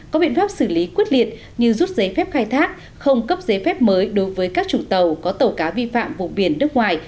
có biện pháp xử lý quyết liệt như rút giấy phép khai thác không cấp giấy phép mới đối với các chủ tàu có tàu cá vi phạm vùng biển nước ngoài